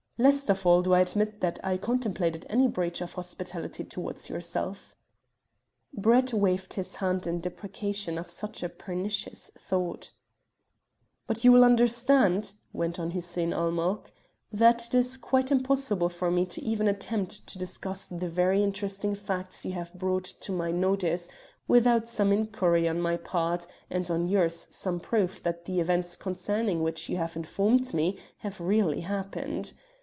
"Least of all do I admit that I contemplated any breach of hospitality towards yourself." Brett waved his hand in deprecation of such a pernicious thought. "But you will understand," went on Hussein ul Mulk, "that it is quite impossible for me to even attempt to discuss the very interesting facts you have brought to my notice without some inquiry on my part, and on yours some proof that the events concerning which you have informed me have really happened.